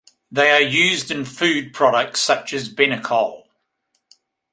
They are used in food products such as Benecol.